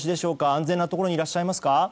安全なところにいらっしゃいますか？